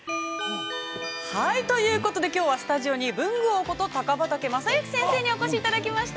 ◆ということできょうはスタジオに文具王こと高畑正幸先生にお越しいただきました。